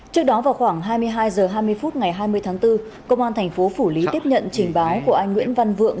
trước đó vào khoảng hai mươi hai h hai mươi phút ngày hai mươi tháng bốn công an thành phố phủ lý tiếp nhận trình báo của anh nguyễn văn vượng